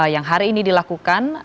yang hari ini dilakukan